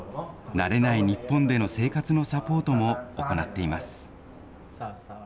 慣れない日本での生活のサポートも行っています。